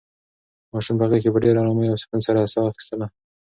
ماشوم په غېږ کې په ډېرې ارامۍ او سکون سره ساه اخیستله.